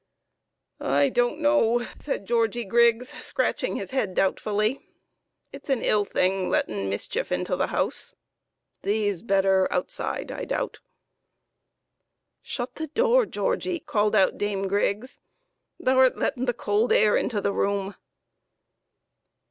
" I don't know " said Georgie Griggs, scratching his head doubtfully ;" it's an ill thing, lettin' mischief intull the house ! Thee's better outside, I doubt." " Shut the door, Georgie !" called out Dame Griggs ;" thou'rt letten' th' cold air intull th' room."